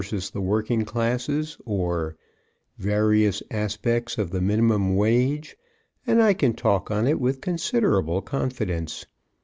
_ the Working Classes," or "Various Aspects of the Minimum Wage," and I can talk on it with considerable confidence.